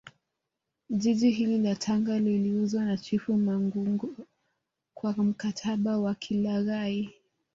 Jiji hili la Tanga liliuzwa na chifu mangungo kwa mkataba wa kilaghai